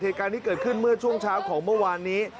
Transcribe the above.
เหตุการณ์นี้เกิดขึ้นเมื่อช่วงเช้าของเมื่อวานนี้